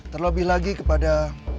terlebih lagi kepada